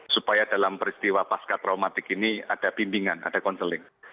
supaya dalam peristiwa pasca traumatik ini ada bimbingan ada konseling